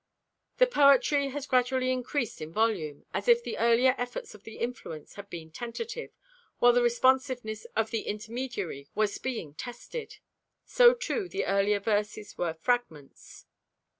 The poetry has gradually increased in volume, as if the earlier efforts of the influence had been tentative, while the responsiveness of the intermediary was being tested. So, too, the earlier verses were fragments.